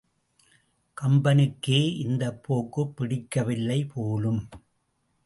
கம்பனுக்கே இந்தப் போக்குப் பிடிக்கவில்லை போலும்.